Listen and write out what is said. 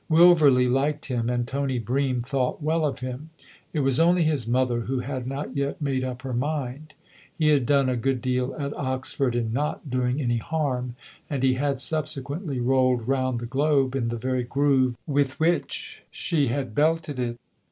Wilverley liked him and Tony Bream thought well of him : it was only his mother who had not yet made up her mind. He had done a good deal at Oxford in not doing any harm, and he had subse quently rolled round the globe in the very groove with which she had belted it.